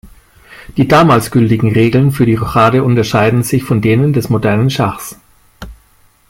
Die damals gültigen Regeln für die Rochade unterscheiden sich von denen des modernen Schachs.